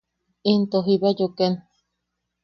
Into jiba yuken.